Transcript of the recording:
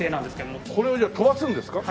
これをじゃあ飛ばすんですか？